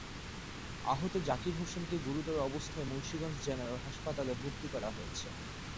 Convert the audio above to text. আহত জাকির হোসেনকে গুরুতর অবস্থায় মুন্সিগঞ্জ জেনারেল হাসপাতালে ভর্তি করা হয়েছে।